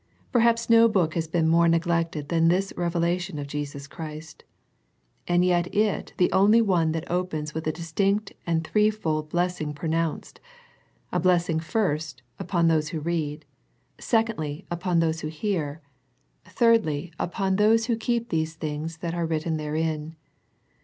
Per haps no book has been more neglected than this Revelation of Jesus Christ, and yet it the only one that opens with a distinct and three fold blessing pronounced, a blessing first, upon . /those who read, secondly, upon those who ' 7 8 Introductory hear, thirdly, upon those who keep the things that are written therein.